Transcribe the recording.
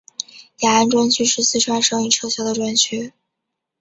雅安专区是四川省已撤销的专区。